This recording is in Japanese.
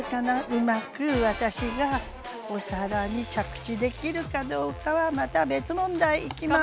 うまく私がお皿に着地できるかどうかはまた別問題。いきます！